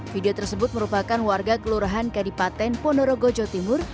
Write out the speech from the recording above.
video tersebut merupakan warga kelurahan kadipaten ponorogo jawa timur